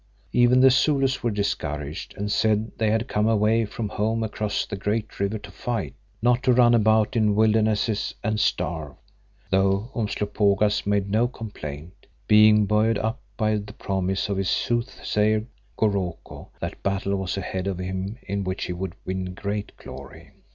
Even the Zulus were discouraged, and said they had come away from home across the Great River to fight, not to run about in wildernesses and starve, though Umslopogaas made no complaint, being buoyed up by the promise of his soothsayer, Goroko, that battle was ahead of him in which he would win great glory.